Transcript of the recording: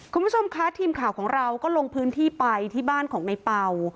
คุณผู้ชมคะทีมข่าวของเราก็ลงพื้นที่ไปที่บ้านของในเป่า